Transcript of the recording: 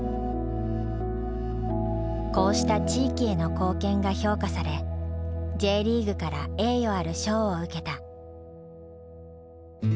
こうした地域への貢献が評価されＪリーグから栄誉ある賞を受けた。